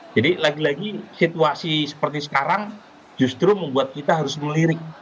jadi lagi lagi situasi seperti sekarang justru membuat kita harus melirik